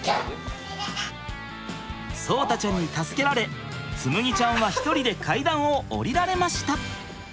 聡太ちゃんに助けられ紬ちゃんは１人で階段を下りられました。